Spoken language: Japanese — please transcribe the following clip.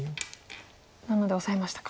なのでオサえましたか。